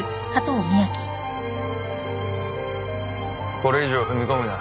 これ以上踏み込むな。